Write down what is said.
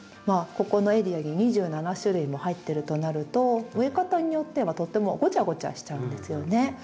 ここのエリアに２７種類も入ってるとなると植え方によってはとてもごちゃごちゃしちゃうんですよね。